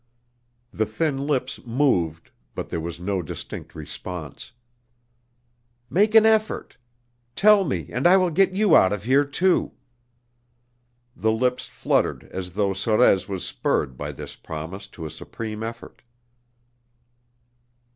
The thin lips moved, but there was no distinct response. "Make an effort. Tell me, and I will get you out of here too." The lips fluttered as though Sorez was spurred by this promise to a supreme effort.